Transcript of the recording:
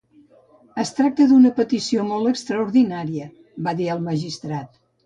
"Es tracta d'una petició molt extraordinària", va dir el magistrat.